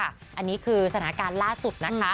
อันนี้คือสถานการณ์ล่าสุดนะคะ